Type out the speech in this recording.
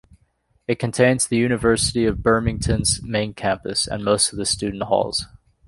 It contains the University of Birmingham's main campus, and most of the student halls.